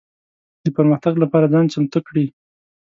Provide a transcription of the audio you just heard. د پرمختګ لپاره ځان چمتو کړي.